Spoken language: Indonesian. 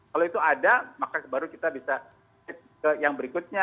kalau itu ada maka baru kita bisa ke yang berikutnya